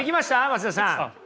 松田さん。